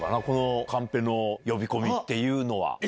このカンペの呼び込みというのは。